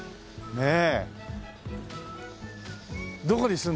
ねえ。